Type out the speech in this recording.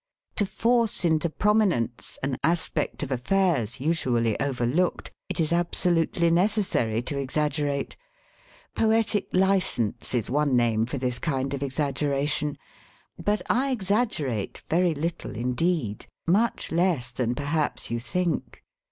To force into prominence an aspect of affairs usually overlooked, it is absolutely necessary to exaggerate. Poetic licence is one name for this kind of exaggeration. But I exaggerate very little indeed, much less than perhaps you think.